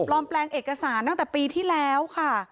แปลงเอกสารตั้งแต่ปีที่แล้วค่ะ